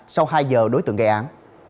sau hai giờ đối tượng gây án